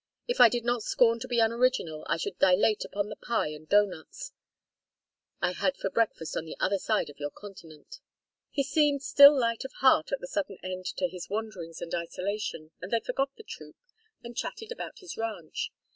If I did not scorn to be unoriginal I should dilate upon the pie and doughnuts I had for breakfast on the other side of your continent." He seemed still light of heart at the sudden end to his wanderings and isolation, and they forgot the troupe and chatted about his ranch.